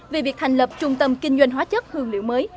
về việc thành lập trung tâm kinh doanh hóa chất hương liệu mới